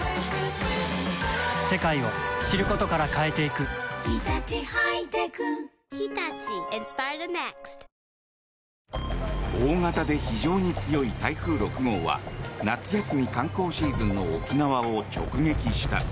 ください大型で非常に強い台風６号は夏休み観光シーズンの沖縄を直撃した。